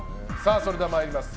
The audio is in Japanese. それでは参ります。